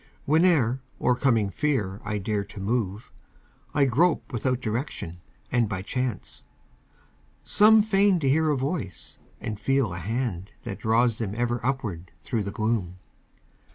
Whene'er, o'ercoming fear, I dare to move, I grope without direction and by chance. Some feign to hear a voice and feel a hand That draws them ever upward thro' the gloom.